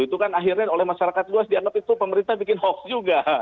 itu kan akhirnya oleh masyarakat luas dianggap itu pemerintah bikin hoax juga